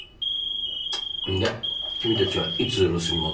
で君たちはいつロスに戻るの？